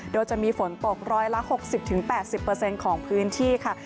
โดยจะมีฝนตกร้อยละ๖๐๘๐ของพื้นที่ค่ะ